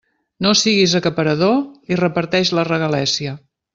No siguis acaparador i reparteix la regalèssia.